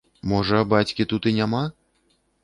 Можа, бацькі тут і няма?